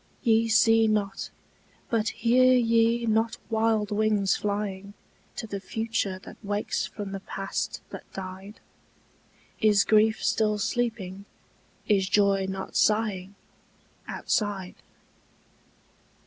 Ye see not, but hear ye not wild wings flying To the future that wakes from the past that died? Is grief still sleeping, is joy not sighing Outside?